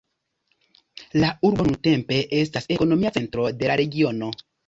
La urbo nuntempe estas ekonomia centro de la regiono.